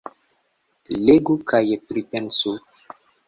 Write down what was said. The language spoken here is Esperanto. Legu kaj pripensu!